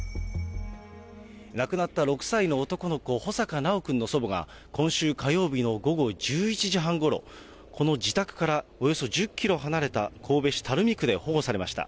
亡くなった６歳の男の子、保坂修くんの祖母が、今週火曜日の午後１１時半ごろ、この自宅からおよそ１０キロ離れた、神戸市垂水区で保護されました。